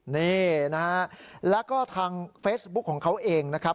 นี่นะฮะแล้วก็ทางเฟซบุ๊คของเขาเองนะครับ